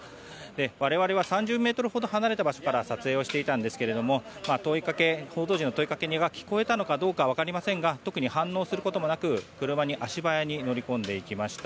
我々は３０ｍほど離れた場所から撮影していたんですけども報道陣の問いかけは聞こえたのかどうかは分かりませんが特に反応することもなく車に足早に乗り込んでいきました。